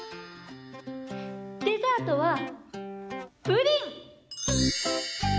デザートはプリン！